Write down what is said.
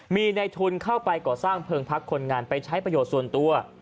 มีในทุนเข้าไปก่อสร้างเพลิงพักคนงานไปใช้ประโยชน์ส่วนตัว